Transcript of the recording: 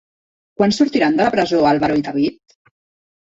Quan sortiran de la presó Álvaro i David?